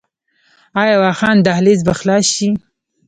آیا واخان دهلیز به خلاص شي؟